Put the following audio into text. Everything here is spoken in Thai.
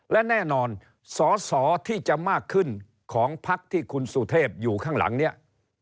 และแน่นอนสอสอที่จะมากขึ้นของพักที่คุณสุเทพอยู่ข้างหลังเนี่ย